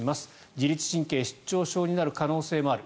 自律神経失調症になる可能性もある。